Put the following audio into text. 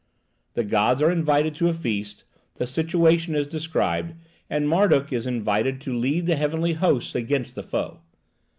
The gods are invited to a feast, the situation is described, and Marduk is invited to lead the heavenly hosts against the foe.